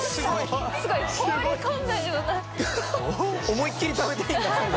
思いっきり食べたいんだ最後。